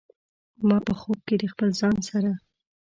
ما په خوب کې د خپل ځان سره